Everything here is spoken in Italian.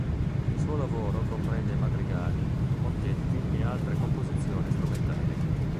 Il suo lavoro comprende Madrigali, Mottetti e altre composizioni strumentali.